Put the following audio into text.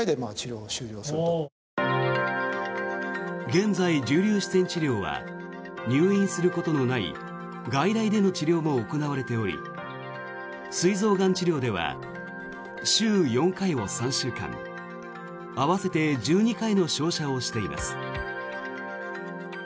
現在、重粒子線治療は入院することのない外来での治療も行われておりすい臓がん治療では週４回を３週間合わせて１２回の照射をしています。